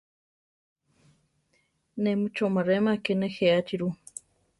Né mi chomaréma ké nejéachi rú.